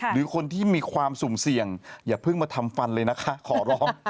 หรือคนที่มีความสุ่มเสี่ยงอย่าเพิ่งมาทำฟันเลยนะคะขอร้อง